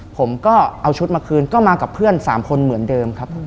ผมก็เอาชุดมาคืนก็มากับเพื่อน๓คนเหมือนเดิมครับ